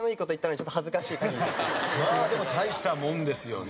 でも大したもんですよね。